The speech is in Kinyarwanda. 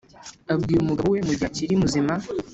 Abwira umugabo we mu gihe akiri muzima